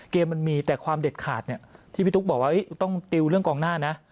มันมีแต่ความเด็ดขาดที่พี่ตุ๊กบอกว่าต้องติวเรื่องกองหน้านะ